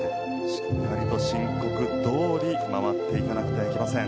しっかりと申告どおり回っていかなくてはいけません。